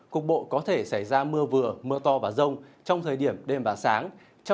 cục bộ có thể xảy ra mưa vừa mưa to và rông trong thời điểm đêm và sáng